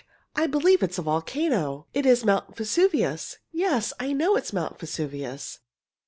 I believe it is a volcano. It is Mount Vesuvius. Yes, I know it is Mount Vesuvius!"